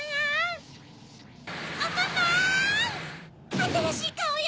あたらしいカオよ！